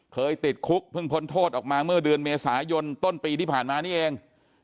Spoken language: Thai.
ติดคุกเพิ่งพ้นโทษออกมาเมื่อเดือนเมษายนต้นปีที่ผ่านมานี่เอง